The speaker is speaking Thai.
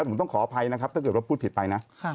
ผมต้องขออภัยนะครับถ้าเกิดว่าพูดผิดไปนะ